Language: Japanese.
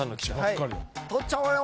取っちゃおうよ。